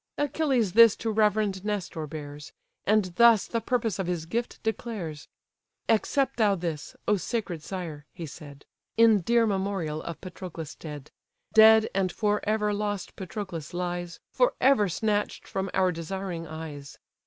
Achilles this to reverend Nestor bears. And thus the purpose of his gift declares: "Accept thou this, O sacred sire! (he said) In dear memorial of Patroclus dead; Dead and for ever lost Patroclus lies, For ever snatch'd from our desiring eyes!